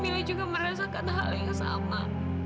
milih juga merasakan hal yang sama